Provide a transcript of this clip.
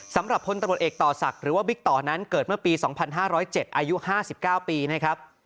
สำหรับพลตำรวจเอกต่อศักดิ์หรือว่าบิ๊กต่อนั้นเกิดเมื่อปี๒๕๐๗อายุ๕๙ปีนะครับ